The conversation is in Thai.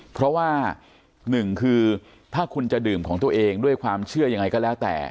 เพราะว่าหนึ่งคือถ้าคุณจะดื่มของตัวเองด้วยความเชื่อยังไงก็แล้วแต่